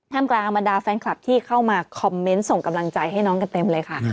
กลางบรรดาแฟนคลับที่เข้ามาคอมเมนต์ส่งกำลังใจให้น้องกันเต็มเลยค่ะ